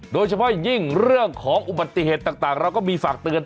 โดยเฉพาะยิ่งเรื่องของอุบัติเหตุต่างเราก็มีฝากเตือน